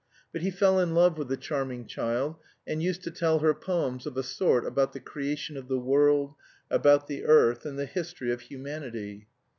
But he fell in love with the charming child and used to tell her poems of a sort about the creation of the world, about the earth, and the history of humanity.